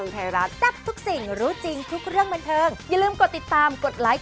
เพราะว่าต้องฟังพร้อมกันค่ะ